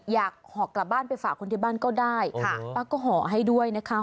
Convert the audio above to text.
ห่อกลับบ้านไปฝากคนที่บ้านก็ได้ป้าก็ห่อให้ด้วยนะคะ